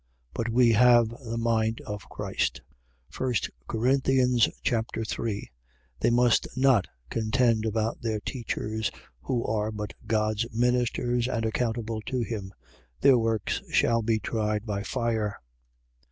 But we have the mind of Christ. 1 Corinthians Chapter 3 They must not contend about their teachers, who are but God's ministers and accountable to him. Their works shall be tried by fire.